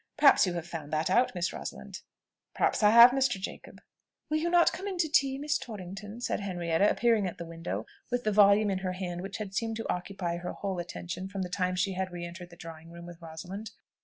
Perhaps you have found that out, Miss Rosalind?" "Perhaps I have, Mr. Jacob." "Will you not come in to tea, Miss Torrington?" said Henrietta, appearing at the window, with the volume in her hand which had seemed to occupy her whole attention from the time she had re entered the drawing room with Rosalind.